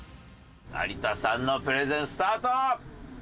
有田さんのプレゼンスタート！